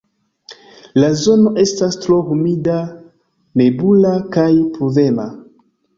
La zono estas tro humida, nebula kaj pluvema.